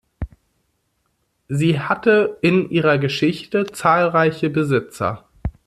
Sie hatte in ihrer Geschichte zahlreiche Besitzer.